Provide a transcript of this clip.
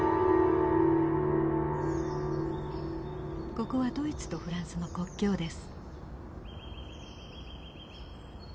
ここはドイツとフランスの国境です。